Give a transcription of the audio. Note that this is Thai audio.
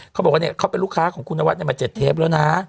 เขาบอกว่าเนี่ยเขาเป็นลูกค้าของคุณนวัดมา๗เทปแล้วนะ